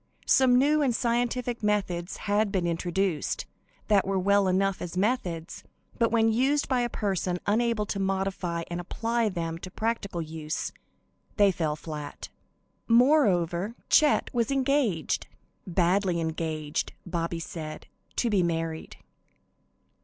Some new and scientific methods had been introduced, that were well enough as methods, but when used by a person unable to modify and apply them to practical use, they fell flat. Moreover, Chet was engaged "badly engaged," Bobby said to be married.